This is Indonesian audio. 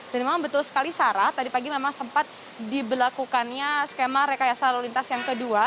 dan memang betul sekali sarah tadi pagi memang sempat diberlakukannya skema rekayasa lalu lintas yang kedua